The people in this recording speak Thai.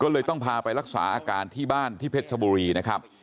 ก็เลยต้องพาไปรักษาอาการที่บ้านที่เพชรชบุรีนะครับ